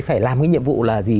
phải làm cái nhiệm vụ là gì